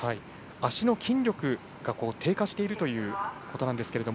足の筋力が低下しているということなんですが。